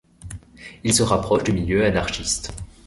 Il se rapproche du milieu anarchiste.